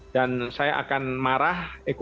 dan saya akan marah